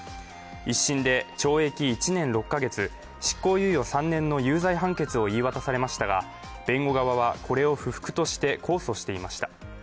１審で懲役１年６カ月、執行猶予３年の有罪判決を言い渡されましたが弁護側はこれを不服として控訴していました。